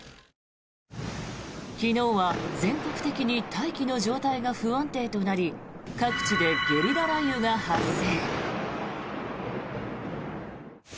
昨日は全国的に大気の状態が不安定となり各地でゲリラ雷雨が発生。